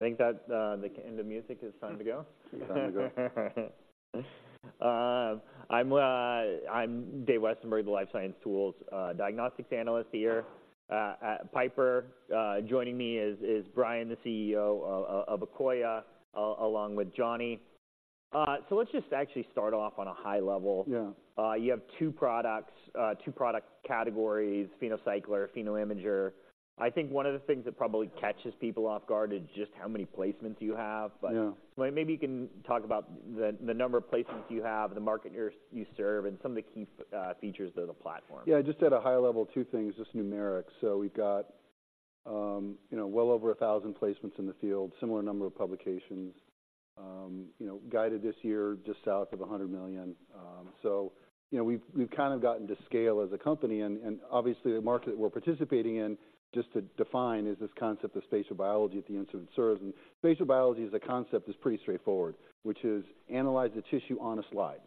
I think that, the end of music is time to go? Time to go. I'm Dave Westenberg, the life science tools, diagnostics analyst here at Piper. Joining me is Brian, the CEO of Akoya, along with Johnny. So let's just actually start off on a high level. Yeah. You have two products, two product categories, PhenoCycler, PhenoImager. I think one of the things that probably catches people off guard is just how many placements you have. Yeah. But maybe you can talk about the number of placements you have, the market you serve, and some of the key features of the platform. Yeah, just at a high level, two things, just numerics. So we've got, you know, well over 1,000 placements in the field, similar number of publications. You know, guided this year, just south of $100 million. So, you know, we've kind of gotten to scale as a company, and obviously, the market that we're participating in, just to define, is this concept of spatial biology at the incident service. And spatial biology as a concept is pretty straightforward, which is analyze the tissue on a slide.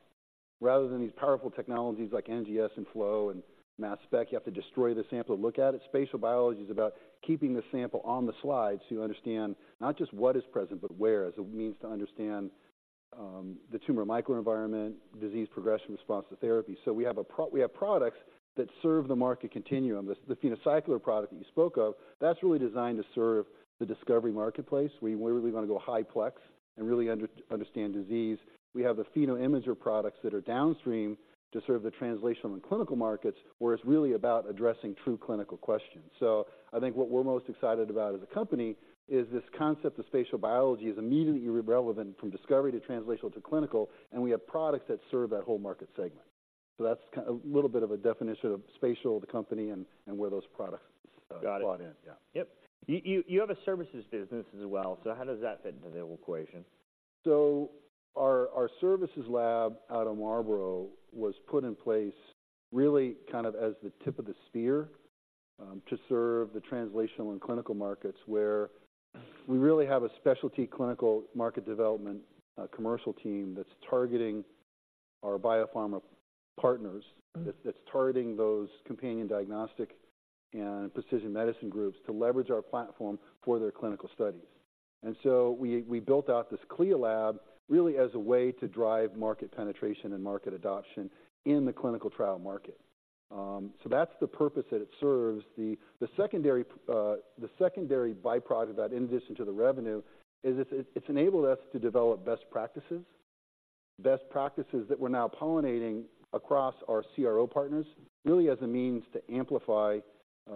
Rather than these powerful technologies like NGS and Flow and mass spec, you have to destroy the sample to look at it. Spatial biology is about keeping the sample on the slide to understand not just what is present, but where, as a means to understand the tumor microenvironment, disease progression, response to therapy. So we have products that serve the market continuum. The PhenoCycler product that you spoke of, that's really designed to serve the discovery marketplace, where we really want to go high plex and really understand disease. We have the PhenoImager products that are downstream to serve the translational and clinical markets, where it's really about addressing true clinical questions. So I think what we're most excited about as a company is this concept of spatial biology is immediately relevant from discovery to translational to clinical, and we have products that serve that whole market segment. So that's a little bit of a definition of spatial, the company, and where those products- Got it. Bought in. Yeah. Yep. You have a services business as well, so how does that fit into the equation? So our services lab out of Marlborough was put in place really kind of as the tip of the spear to serve the translational and clinical markets, where we really have a specialty clinical market development commercial team that's targeting our biopharma partners. Mm-hmm. That's targeting those companion diagnostic and precision medicine groups to leverage our platform for their clinical studies. So we built out this CLIA lab really as a way to drive market penetration and market adoption in the clinical trial market. So that's the purpose that it serves. The secondary byproduct of that, in addition to the revenue, is it's enabled us to develop best practices that we're now pollinating across our CRO partners, really as a means to amplify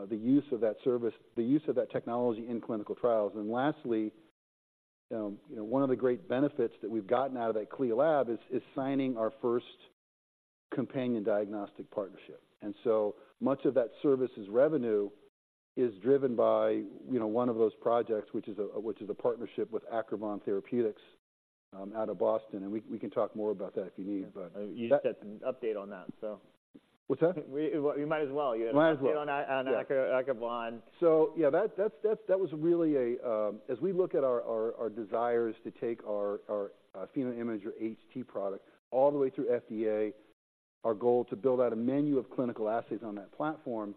the use of that service, the use of that technology in clinical trials. Lastly, you know, one of the great benefits that we've gotten out of that CLIA lab is signing our first companion diagnostic partnership. So much of that services revenue is driven by, you know, one of those projects, which is a partnership with Acrivon Therapeutics out of Boston. We can talk more about that if you need, but- You just had an update on that, so What's that? Well, you might as well. Might as well. You know, on Yeah Acrivon. As we look at our desires to take our PhenoImager HT product all the way through FDA, our goal to build out a menu of clinical assays on that platform,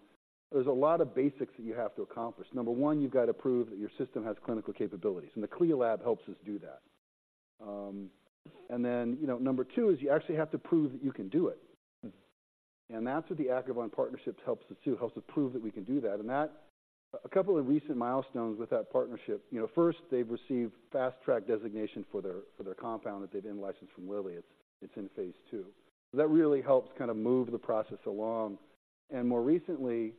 there's a lot of basics that you have to accomplish. Number one, you've got to prove that your system has clinical capabilities, and the CLIA lab helps us do that. And then, you know, number two is you actually have to prove that you can do it. And that's what the Acrivon partnerships helps us, too, helps us prove that we can do that. And that, a couple of recent milestones with that partnership, you know, first they've received fast track designation for their compound that they've in-licensed from Lilly. It's in Phase II. That really helps kind of move the process along. More recently,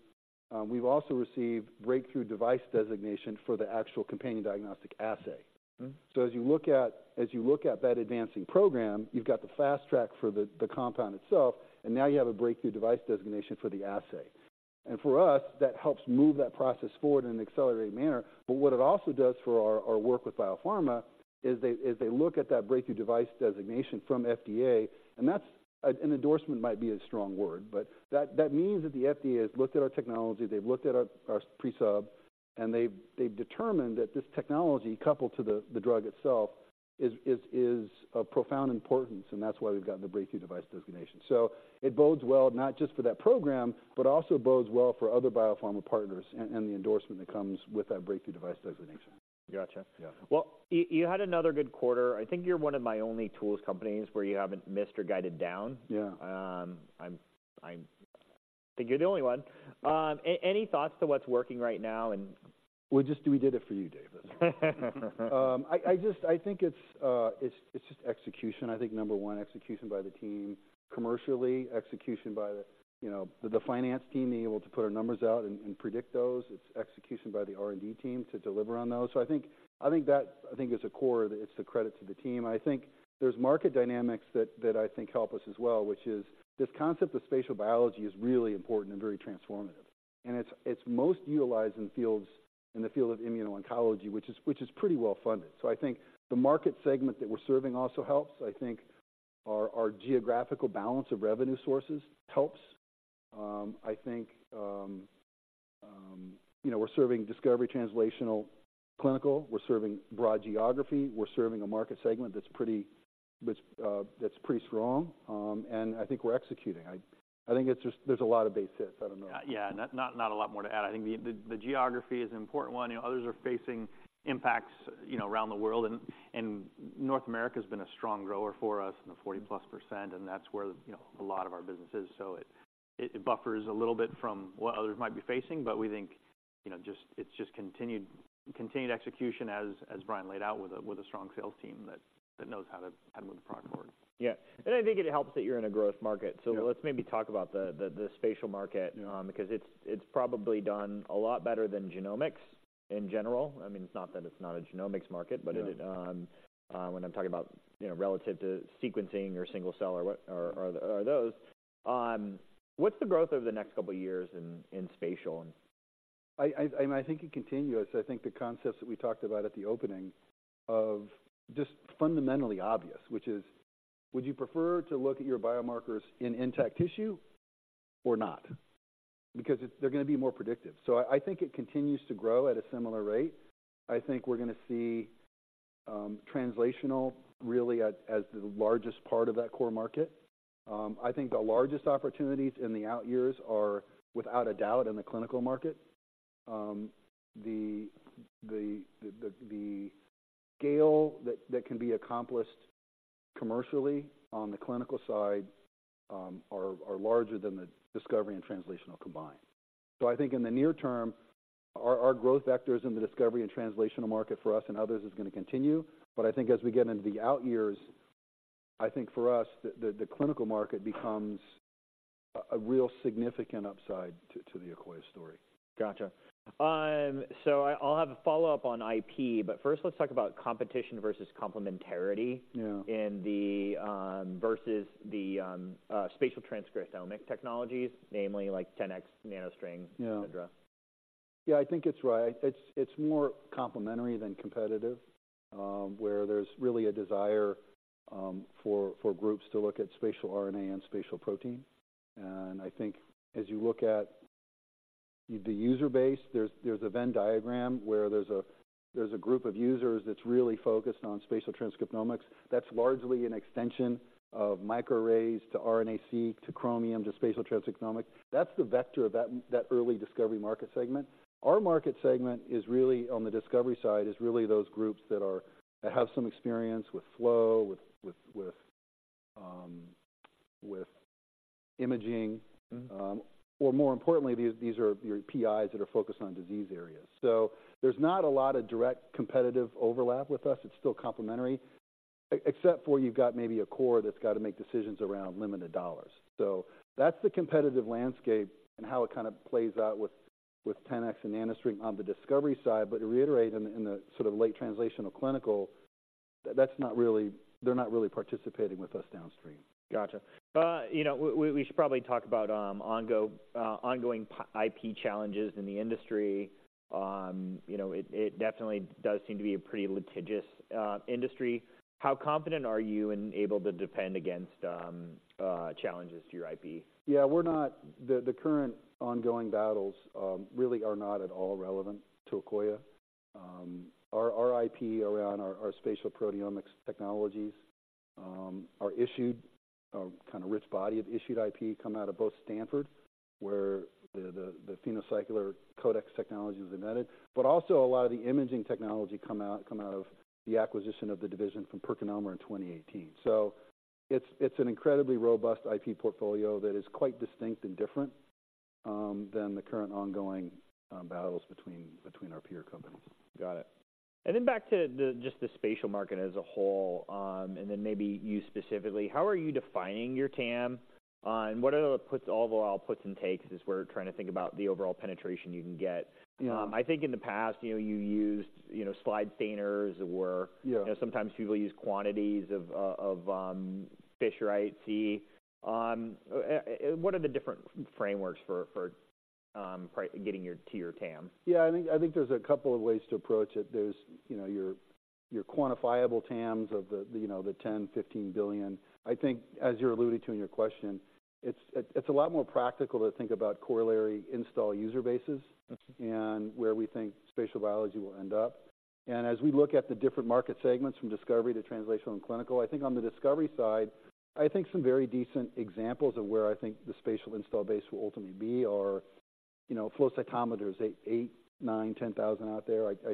we've also received breakthrough device designation for the actual companion diagnostic assay. Mm-hmm. So as you look at that advancing program, you've got the fast track for the compound itself, and now you have a breakthrough device designation for the assay. And for us, that helps move that process forward in an accelerated manner. But what it also does for our work with biopharma is they look at that breakthrough device designation from FDA, and that's an endorsement might be a strong word, but that means that the FDA has looked at our technology, they've looked at our pre-sub, and they've determined that this technology, coupled to the drug itself, is of profound importance, and that's why we've gotten the breakthrough device designation. So it bodes well not just for that program, but also bodes well for other biopharma partners and, and the endorsement that comes with that breakthrough device designation. Gotcha. Yeah. Well, you had another good quarter. I think you're one of my only tools companies where you haven't missed or guided down. Yeah. I'm you're the only one. Any thoughts to what's working right now and- Well, just, we did it for you, Dave. I just think it's just execution. I think, number one, execution by the team, commercially, execution by the, you know, the finance team being able to put our numbers out and predict those. It's execution by the R&D team to deliver on those. So I think that is a core. It's a credit to the team. I think there's market dynamics that help us as well, which is this concept of spatial biology is really important and very transformative, and it's most utilized in the field of immuno-oncology, which is pretty well-funded. So I think the market segment that we're serving also helps. I think our geographical balance of revenue sources helps. I think, you know, we're serving discovery, translational, clinical. We're serving broad geography. We're serving a market segment that's pretty strong. I think we're executing. I think it's just there's a lot of base hits. I don't know. Yeah, not a lot more to add. I think the geography is an important one. You know, others are facing impacts, you know, around the world, and North America's been a strong grower for us in the 40%+, and that's where, you know, a lot of our business is. So it buffers a little bit from what others might be facing, but we think, you know, just continued execution as Brian laid out, with a strong sales team that knows how to move the product forward. Yeah. And I think it helps that you're in a growth market. Yeah. So let's maybe talk about the spatial market. Yeah Because it's, it's probably done a lot better than genomics in general. I mean, it's not that it's not a genomics market, but- Yeah .when I'm talking about, you know, relative to sequencing or single cell or what or those. What's the growth over the next couple of years in spatial? I think it continues. I think the concepts that we talked about at the opening of just fundamentally obvious, which is, would you prefer to look at your biomarkers in intact tissue or not? Because it's- they're gonna be more predictive. So I think it continues to grow at a similar rate. I think we're gonna see translational really as the largest part of that core market. I think the largest opportunities in the out years are, without a doubt, in the clinical market. The scale that can be accomplished commercially on the clinical side are larger than the discovery and translational combined. So I think in the near term, our growth vectors in the discovery and translational market for us and others is gonna continue. But I think as we get into the out years, I think for us, the clinical market becomes a real significant upside to the Akoya story. Gotcha. So I'll have a follow-up on IP, but first let's talk about competition versus complementarity. Yeah Versus the spatial transcriptomic technologies, namely like 10x NanoString. Yeah Etcetera. Yeah, I think it's right. It's more complementary than competitive, where there's really a desire for groups to look at spatial RNA and spatial protein. And I think as you look at the user base, there's a Venn diagram where there's a group of users that's really focused on spatial transcriptomics. That's largely an extension of microarrays to RNA-seq, to Chromium, to spatial transcriptomics. That's the vector of that early discovery market segment. Our market segment is really, on the discovery side, is really those groups that have some experience with flow, with imaging. Mm-hmm. Or more importantly, these are your PIs that are focused on disease areas. So there's not a lot of direct competitive overlap with us. It's still complementary except for you've got maybe a core that's got to make decisions around limited dollars. So that's the competitive landscape and how it kind of plays out with 10x and NanoString on the discovery side. But to reiterate, in the sort of late translational clinical, that's not really... They're not really participating with us downstream. Gotcha. You know, we should probably talk about ongoing IP challenges in the industry. You know, it definitely does seem to be a pretty litigious industry. How confident are you and able to defend against challenges to your IP? Yeah, we're not. The current ongoing battles really are not at all relevant to Akoya. Our IP around our spatial proteomics technologies are issued, a kind of rich body of issued IP, come out of both Stanford, where the PhenoCycler CODEX technology was invented, but also a lot of the imaging technology come out of the acquisition of the division from PerkinElmer in 2018. So it's an incredibly robust IP portfolio that is quite distinct and different than the current ongoing battles between our peer companies. Got it. And then back to just the spatial market as a whole, and then maybe you specifically, how are you defining your TAM, and what are all the puts and takes as we're trying to think about the overall penetration you can get? Yeah. I think in the past, you know, you used, you know, slide stainers, or Yeah sometimes people use quantities of Fisher IHC. What are the different frameworks for getting to your TAM? Yeah, I think, I think there's a couple of ways to approach it. There's, you know, your, your quantifiable TAMs of the, you know, the $10-$15 billion. I think, as you're alluding to in your question, it's, it's a lot more practical to think about corollary install user bases Mm-hmm and where we think spatial biology will end up. As we look at the different market segments, from discovery to translational and clinical, I think on the discovery side, I think some very decent examples of where I think the spatial install base will ultimately be are, you know, flow cytometers, 8,000-10,000 out there. I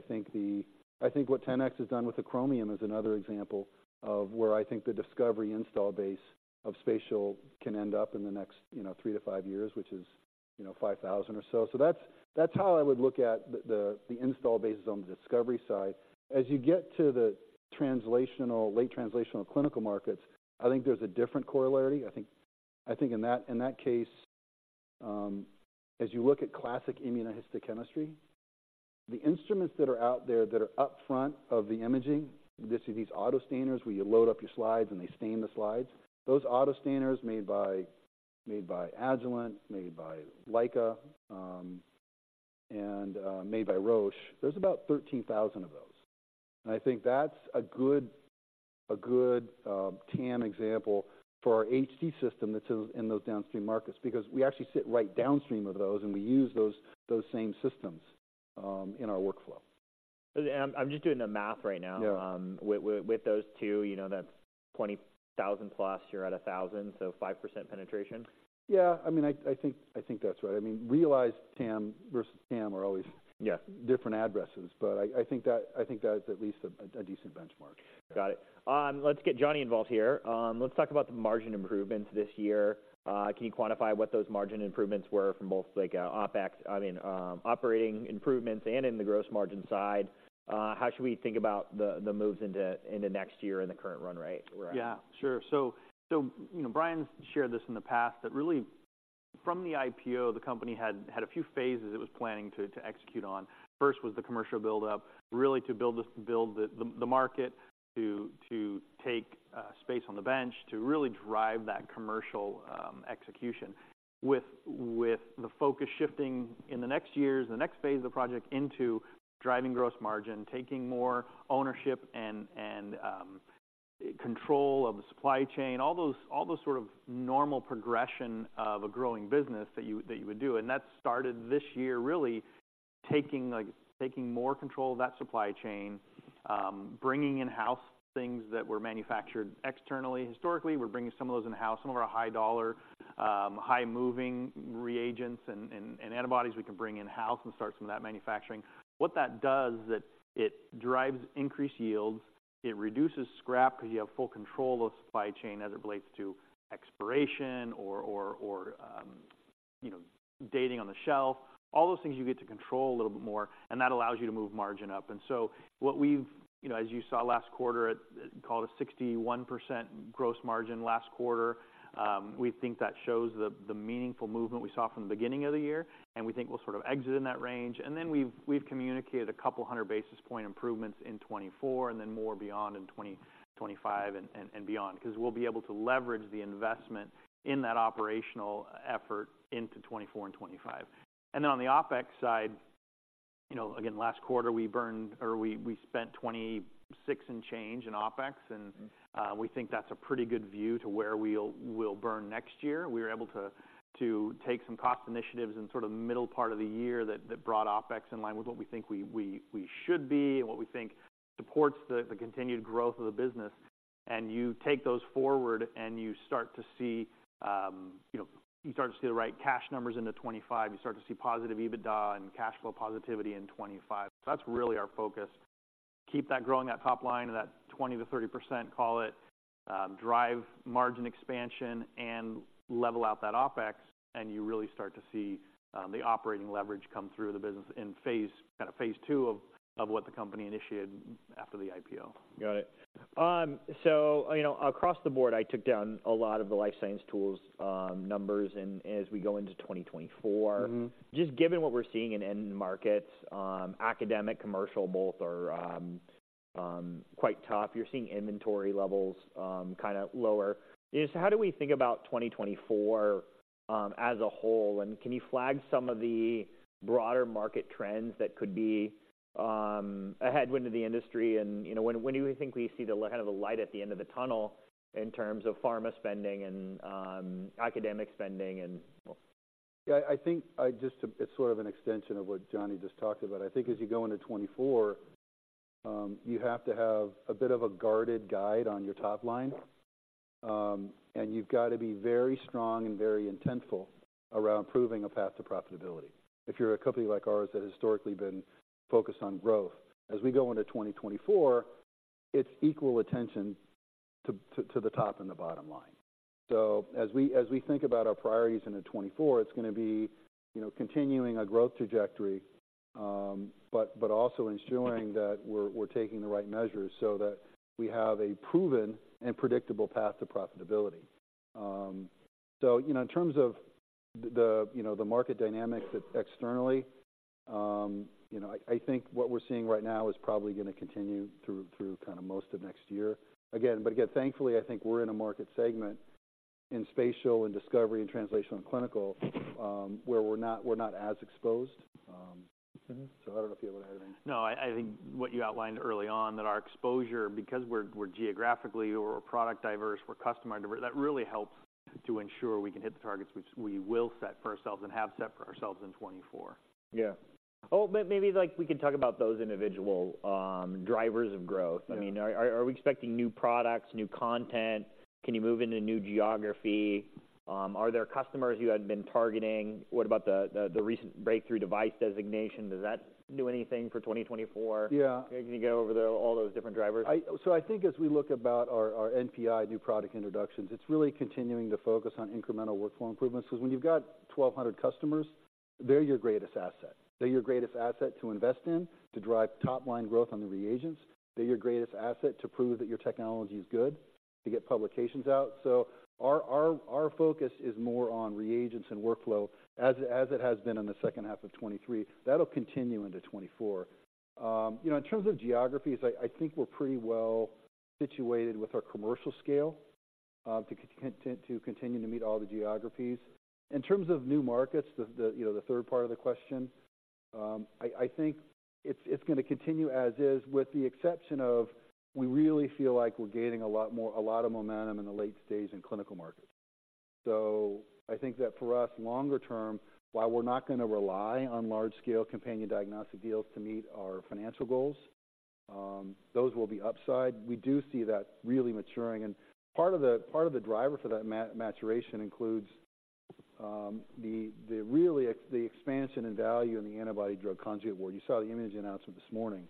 think what 10x has done with the Chromium is another example of where I think the discovery install base of spatial can end up in the next, you know, 3-5 years, which is, you know, 5,000 or so. So that's how I would look at the install bases on the discovery side. As you get to the translational, late translational clinical markets, I think there's a different corollary. I think in that case, as you look at classic immunohistochemistry, the instruments that are out there that are upfront of the imaging, these auto stainers, where you load up your slides and they stain the slides, those auto stainers made by Agilent, made by Leica, and made by Roche, there's about 13,000 of those. I think that's a good TAM example for our HT system that's in those downstream markets, because we actually sit right downstream of those, and we use those same systems in our workflow. I'm just doing the math right now. Yeah. With those two, you know, that's 20,000+. You're at 1,000, so 5% penetration? Yeah, I mean, I think that's right. I mean, realized TAM versus TAM are always Yes different addresses, but I think that is at least a decent benchmark. Got it. Let's get Johnny involved here. Let's talk about the margin improvements this year. Can you quantify what those margin improvements were from both, like, OpEx, I mean, operating improvements and in the gross margin side? How should we think about the, the moves into, into next year and the current run rate we're at? Yeah, sure. So, you know, Brian's shared this in the past, that really from the IPO, the company had a few phases it was planning to execute on. First was the commercial buildup, really to build the market, to take space on the bench to really drive that commercial execution. With the focus shifting in the next years, the next phase of the project, into driving gross margin, taking more ownership and control of the supply chain, all those sort of normal progression of a growing business that you would do. That started this year, really taking, like, taking more control of that supply chain, bringing in-house things that were manufactured externally. Historically, we're bringing some of those in-house, some of our high dollar, high moving reagents and antibodies we can bring in-house and start some of that manufacturing. What that does is that it drives increased yields, it reduces scrap, because you have full control of the supply chain as it relates to expiration or you know, dating on the shelf. All those things you get to control a little bit more, and that allows you to move margin up. And so what we've. You know, as you saw last quarter, call it a 61% gross margin last quarter. We think that shows the meaningful movement we saw from the beginning of the year, and we think we'll sort of exit in that range. Then we've communicated a couple hundred basis points improvements in 2024 and then more beyond in 2025 and beyond. Because we'll be able to leverage the investment in that operational effort into 2024 and 2025. Then on the OpEx side, you know, again, last quarter, we burned or we spent $26 and change in OpEx, and we think that's a pretty good view to where we'll burn next year. We were able to take some cost initiatives in sort of the middle part of the year that brought OpEx in line with what we think we should be and what we think supports the continued growth of the business. And you take those forward, and you start to see, you know, you start to see the right cash numbers into 2025. You start to see positive EBITDA and cash flow positivity in 2025. So that's really our focus, keep that growing, that top line of that 20%-30%, call it, drive margin expansion and level out that OpEx, and you really start to see, the operating leverage come through the business in phase, kind of phase two of what the company initiated after the IPO. Got it. So, you know, across the board, I took down a lot of the life science tools, numbers and as we go into 2024. Mm-hmm. Just given what we're seeing in end markets, academic, commercial, both are quite tough. You're seeing inventory levels kind of lower. Just how do we think about 2024 as a whole? And can you flag some of the broader market trends that could be a headwind to the industry? And, you know, when do you think we see the kind of the light at the end of the tunnel in terms of pharma spending and academic spending, and well? Yeah, I think... It's sort of an extension of what Johnny just talked about. I think as you go into 2024, you have to have a bit of a guarded eye on your top line. And you've got to be very strong and very intentional around proving a path to profitability. If you're a company like ours that historically been focused on growth, as we go into 2024, it's equal attention to the top and the bottom line. So as we think about our priorities into 2024, it's gonna be, you know, continuing a growth trajectory, but also ensuring that we're taking the right measures so that we have a proven and predictable path to profitability. So, you know, in terms of the, you know, the market dynamics that externally, you know, I think what we're seeing right now is probably gonna continue through kind of most of next year. Again, but again, thankfully, I think we're in a market segment in spatial and discovery and translational and clinical, where we're not as exposed. So I don't know if you want to add anything. No, I think what you outlined early on, that our exposure, because we're geographically or product diverse, we're customer diverse, that really helps to ensure we can hit the targets which we will set for ourselves and have set for ourselves in 2024. Yeah. Oh, maybe, like, we could talk about those individual drivers of growth. Yeah. I mean, are we expecting new products, new content? Can you move into new geography? Are there customers you had been targeting? What about the recent Breakthrough device designation, does that do anything for 2024? Yeah. Can you go over all those different drivers? So I think as we look about our NPI, new product introductions, it's really continuing to focus on incremental workflow improvements, because when you've got 1,200 customers, they're your greatest asset. They're your greatest asset to invest in, to drive top-line growth on the reagents. They're your greatest asset to prove that your technology is good, to get publications out. So our focus is more on reagents and workflow as it has been in the second half of 2023. That'll continue into 2024. You know, in terms of geographies, I think we're pretty well situated with our commercial scale to continue to meet all the geographies. In terms of new markets, you know, the third part of the question, I think it's gonna continue as is, with the exception of we really feel like we're gaining a lot more, a lot of momentum in the late stage clinical markets. So I think that for us, longer term, while we're not gonna rely on large-scale companion diagnostic deals to meet our financial goals, those will be upside. We do see that really maturing, and part of the driver for that maturation includes the expansion and value in the antibody drug conjugate world. You saw the Akoya announcement this morning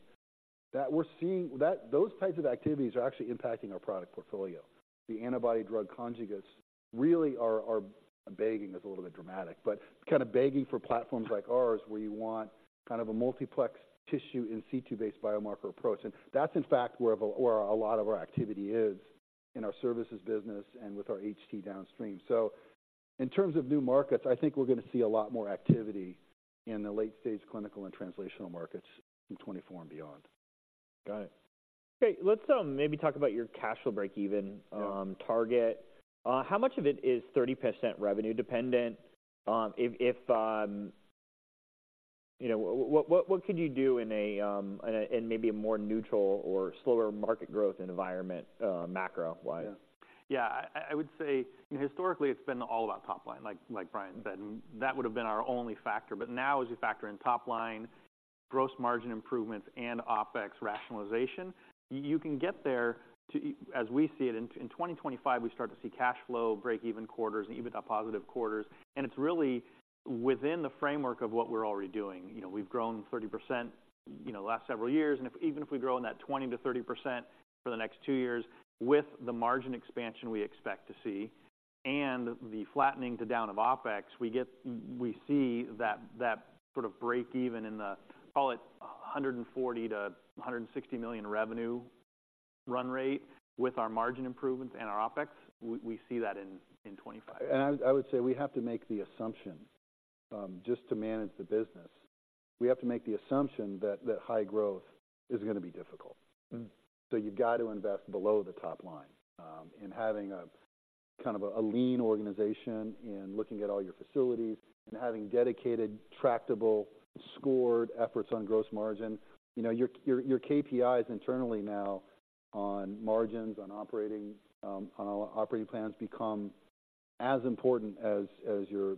that those types of activities are actually impacting our product portfolio. The antibody drug conjugates really are begging is a little bit dramatic, but kind of begging for platforms like ours, where you want kind of a multiplex tissue in situ-based biomarker approach. And that's in fact where a lot of our activity is in our services business and with our HT downstream. So in terms of new markets, I think we're gonna see a lot more activity in the late-stage clinical and translational markets in 2024 and beyond. Got it. Okay, let's maybe talk about your cash flow break-even. Yeah... target. How much of it is 30% revenue dependent? If you know, what could you do in a maybe more neutral or slower market growth environment, macro-wise? Yeah. I would say historically it's been all about top line, like Brian said, that would have been our only factor. But now, as you factor in top line, gross margin improvements, and OpEx rationalization, you can get there, as we see it, in 2025, we start to see cash flow break even quarters and EBITDA positive quarters. And it's really within the framework of what we're already doing. You know, we've grown 30%, you know, the last several years, and if even if we grow in that 20%-30% for the next two years, with the margin expansion we expect to see and the flattening to down of OpEx, we get, we see that, that sort of break even in the, call it, a $140 million-$160 million revenue run rate with our margin improvements and our OpEx. We, we see that in, in 2025. I would say we have to make the assumption, just to manage the business. We have to make the assumption that the high growth is gonna be difficult. Mm-hmm. So you've got to invest below the top line in having a kind of a lean organization and looking at all your facilities and having dedicated, tractable, scored efforts on gross margin. You know, your KPIs internally now on margins, on operating plans, become as important as your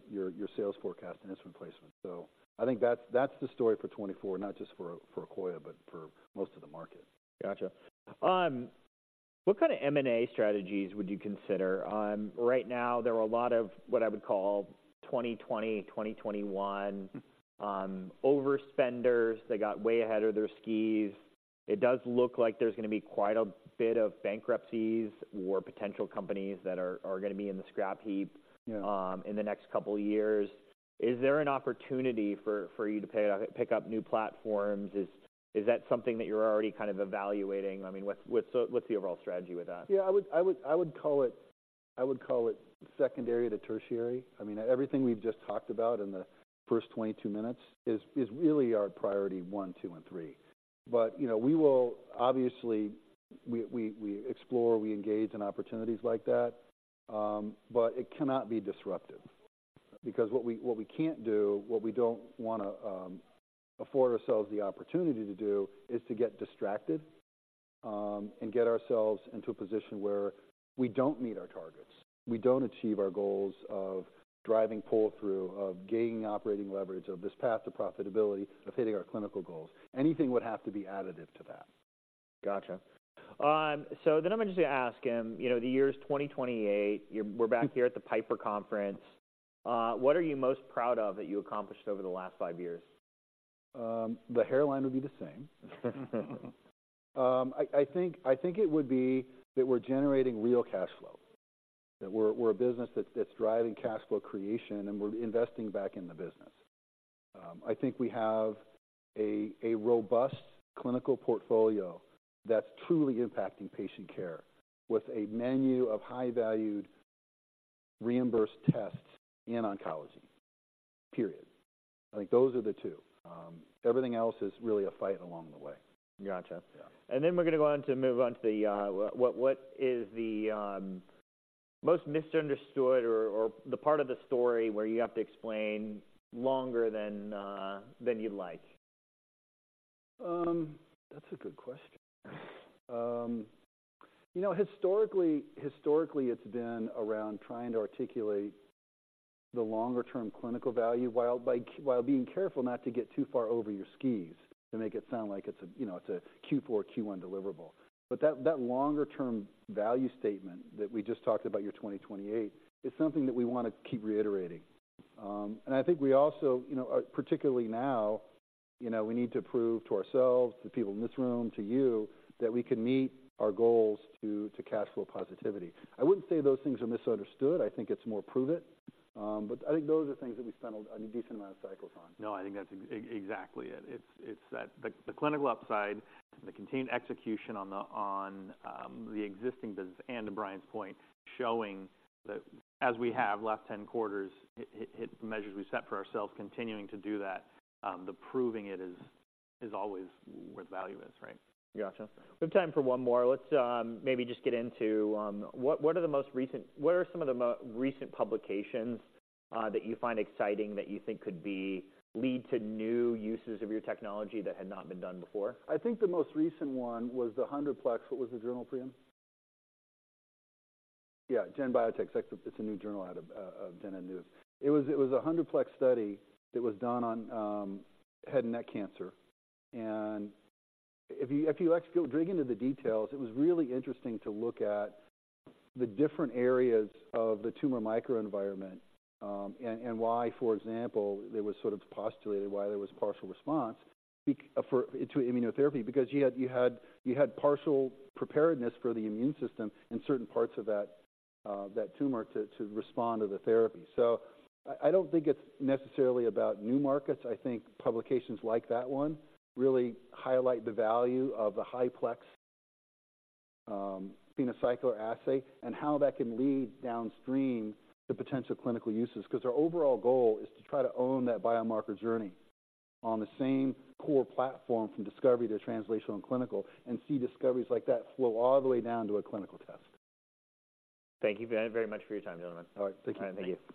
sales forecast and its replacement. So I think that's the story for 2024. Not just for Akoya, but for most of the market. Gotcha. What kind of M&A strategies would you consider? Right now, there are a lot of what I would call 2020, 2021 overs spenders. They got way ahead of their skis. It does look like there's gonna be quite a bit of bankruptcies or potential companies that are gonna be in the scrap heap- Yeah in the next couple of years. Is there an opportunity for you to pick up new platforms? Is that something that you're already kind of evaluating? I mean, what's the overall strategy with that? Yeah, I would call it secondary to tertiary. I mean, everything we've just talked about in the first 22 minutes is really our priority one, two, and three. But, you know, we will obviously we explore, we engage in opportunities like that, but it cannot be disruptive because what we can't do, what we don't wanna afford ourselves the opportunity to do, is to get distracted and get ourselves into a position where we don't meet our targets. We don't achieve our goals of driving pull-through, of gaining operating leverage, of this path to profitability, of hitting our clinical goals. Anything would have to be additive to that. Gotcha. So then I'm just gonna ask him, you know, the year is 2028. You were back here at the Piper conference. What are you most proud of that you accomplished over the last five years? The headline would be the same. I think it would be that we're generating real cash flow, that we're a business that's driving cash flow creation, and we're investing back in the business. I think we have a robust clinical portfolio that's truly impacting patient care with a menu of high-valued reimbursed tests in oncology, period. I think those are the two. Everything else is really a fight along the way. Gotcha. Yeah. And then we're gonna go on to move on to the, what, what is the most misunderstood or, or the part of the story where you have to explain longer than, than you'd like? That's a good question. You know, historically, it's been around trying to articulate the longer-term clinical value while, by, while being careful not to get too far over your skis, to make it sound like it's a, you know, it's a Q4, Q1 deliverable. But that longer-term value statement that we just talked about, year 2028, is something that we wanna keep reiterating. I think we also, you know, particularly now, you know, we need to prove to ourselves, to the people in this room, to you, that we can meet our goals to cash flow positivity. I wouldn't say those things are misunderstood. I think it's more prove it, but I think those are things that we spend a decent amount of cycles on. No, I think that's exactly it. It's that the clinical upside, the contained execution on the existing business, and to Brian's point, showing that as we have last 10 quarters, hit, hit, hit measures we set for ourselves, continuing to do that, the proving it is always where the value is, right? Gotcha. We have time for one more. Let's maybe just get into what are the most recent... What are some of the most recent publications that you find exciting, that you think could lead to new uses of your technology that had not been done before? I think the most recent one was the 100-plex. What was the journal, Brian? Yeah, GEN Biotechnology. It's a new journal out of GEN. It was a 100-plex study that was done on head and neck cancer. And if you actually dig into the details, it was really interesting to look at the different areas of the tumor microenvironment, and why, for example, there was sort of postulated why there was partial response to immunotherapy. Because you had partial preparedness for the immune system in certain parts of that tumor to respond to the therapy. So I don't think it's necessarily about new markets. I think publications like that one really highlight the value of the high-plex PhenoCycler assay and how that can lead downstream to potential clinical uses. Because our overall goal is to try to own that biomarker journey on the same core platform from discovery to translational and clinical, and see discoveries like that flow all the way down to a clinical test. Thank you very, very much for your time, gentlemen. All right. Thank you. Thank you.